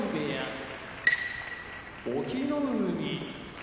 隠岐の海